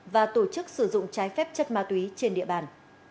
và tổ chức sử dụng trái phép chất ma túy trên địa bàn